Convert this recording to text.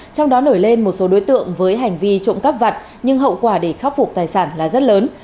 trong đó nổi lên một số đối tượng với hành vi trộm cắp vặt nhưng hậu quả để khắc phục tài sản là rất lớn